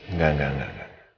enggak enggak enggak